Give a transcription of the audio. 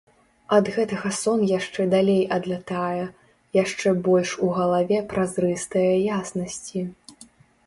Ад гэтага сон яшчэ далей адлятае, яшчэ больш у галаве празрыстае яснасці.